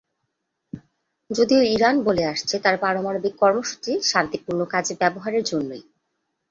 যদিও ইরান বলে আসছে তার পারমাণবিক কর্মসূচি শান্তিপূর্ণ কাজে ব্যবহারের জন্যই।